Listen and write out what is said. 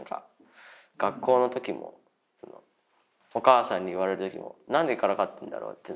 学校の時もお母さんに言われた時も何でからかってるんだろうって。